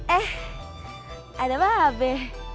eh ada apa abe